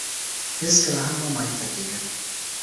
هېڅکله هم مه مایوسه کېږه.